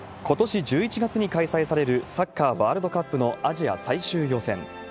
ことし１１月に開催されるサッカーワールドカップのアジア最終予選。